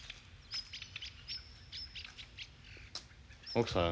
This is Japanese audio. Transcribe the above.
奥さん。